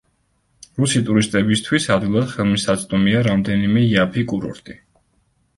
რუსი ტურისტებისათვის ადვილად ხელმისაწვდომია რამდენიმე იაფი კურორტი.